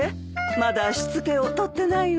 まだ仕付けを取ってないわ。